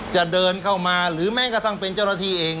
จะเดินเข้ามาหรือแม้กระทั่งเป็นเจ้าหน้าที่เอง